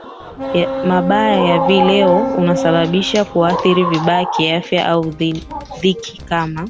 mabaya ya vileo unaosababisha kuathirika vibaya kiafya au dhiki kama